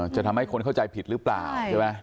จะทำให้คนเข้าใจผิดหรือเปล่าใช่ไหม